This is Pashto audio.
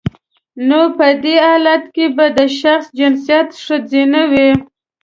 نو په دی حالت کې به د شخص جنسیت خځینه وي